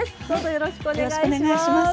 よろしくお願いします。